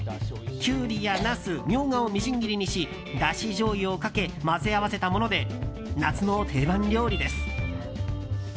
キュウリやナスミョウガをみじん切りにしだしじょうゆをかけ混ぜ合わせたもので夏の定番料理です。